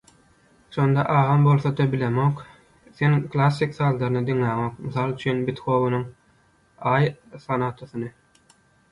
Şonda agam bolsa-da bilemok: «Sen klassik sazlaryny diňläňok, mysal üçin Bethoweniň «Aý sonatasyny».